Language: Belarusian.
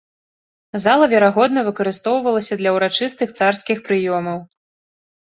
Зала верагодна выкарыстоўвалася для ўрачыстых царскіх прыёмаў.